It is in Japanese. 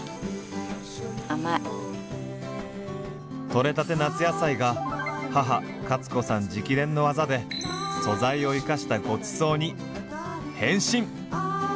取れたて夏野菜が母カツ子さん直伝のワザで素材を生かしたごちそうに変身！